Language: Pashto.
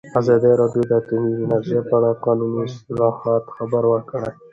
ازادي راډیو د اټومي انرژي په اړه د قانوني اصلاحاتو خبر ورکړی.